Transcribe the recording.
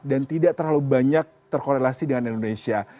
dan tidak terlalu banyak terkorelasi dengan indonesia